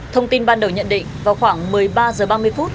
thông tin ban đầu nhận định vào khoảng một mươi ba h ba mươi phút